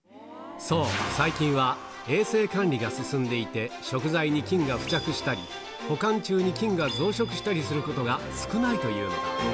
そう、最近は衛生管理が進んでいて、食材に菌が付着したり、保管中に菌が増殖したりすることが少ないというのだ。